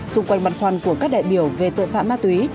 xung quanh băn khoăn của các đại biểu về tội phạm ma túy